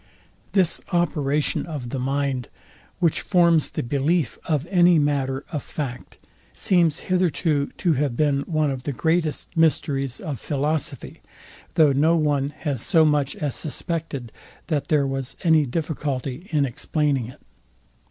This operation of the mind, which forms the belief of any matter of fact, seems hitherto to have been one of the greatest mysteries of philosophy; though no one has so much as suspected, that there was any difficulty in explaining it.